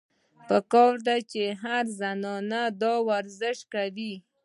پکار ده چې هره زنانه دا ورزش کوي -